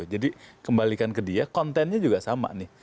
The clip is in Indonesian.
jadi kembalikan ke dia kontennya juga sama nih